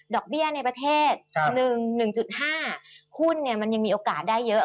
เบี้ยในประเทศ๑๕หุ้นมันยังมีโอกาสได้เยอะ